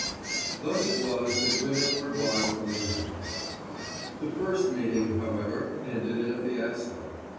Thus it was that women were barred from the Night Club. The first meeting, however, ended in a fiasco.